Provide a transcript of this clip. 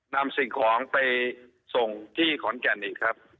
นำสิ่งของไปส่งที่ขอนแก่นอีกครับ